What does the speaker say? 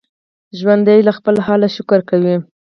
ژوندي له خپل حاله شکر کوي